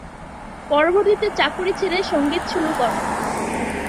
পরবর্তীতে চাকুরী ছেড়ে সঙ্গীত শুরু করেন।